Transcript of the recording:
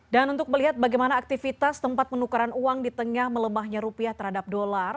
dan untuk melihat bagaimana aktivitas tempat penukaran uang di tengah melemahnya rupiah terhadap dolar